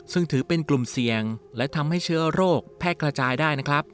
ซึ่งถือเป็นกลุ่มเสี่ยงและทำให้เชื้อโรคแพร่กระจายได้นะครับ